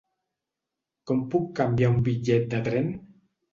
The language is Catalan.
Com puc canviar un bitllet de tren?